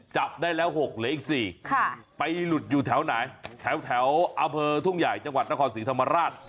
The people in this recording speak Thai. จับได้แล้ว๖เหลืออีก๔ไปหลุดอยู่แถวไหนแถวอำเภอทุ่งใหญ่จังหวัดนครศรีธรรมราช